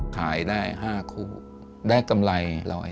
ขายได้๕คู่ได้กำไร๑๐๐